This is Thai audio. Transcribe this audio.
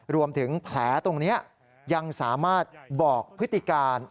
รวมถึงแผลตรงนี้ยังสามารถบอกพฤติการ